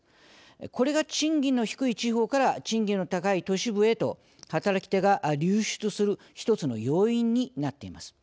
これが賃金の低い地方から賃金の高い都市部へと働き手が流出する１つの要因になっています。